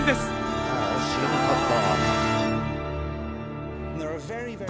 知らんかった。